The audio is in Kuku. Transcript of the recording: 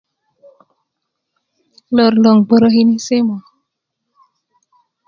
lor loŋ gberekini simu